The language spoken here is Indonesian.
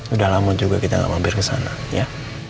udah lama juga kita mampir ke sana ya